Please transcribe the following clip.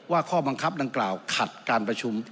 ว่าข้อบังคับตังครรภ์ขัดการประชุม